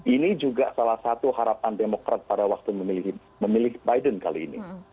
ini juga salah satu harapan demokrat pada waktu memilih biden kali ini